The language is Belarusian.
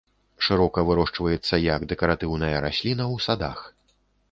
Шырока вырошчваецца як дэкаратыўная расліна ў садах.